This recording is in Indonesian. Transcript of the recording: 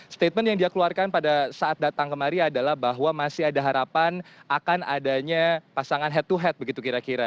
statement yang dia keluarkan pada saat datang kemari adalah bahwa masih ada harapan akan adanya pasangan head to head begitu kira kira